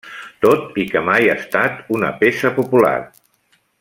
Tot i que mai ha estat una peça popular.